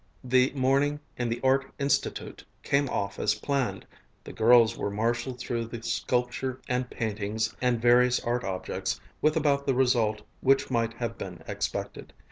The morning in the Art Institute came off as planned. The girls were marshaled through the sculpture and paintings and various art objects with about the result which might have been expected.